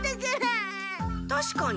たしかに。